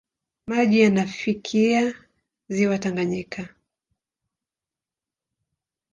Maji yanafikia ziwa Tanganyika.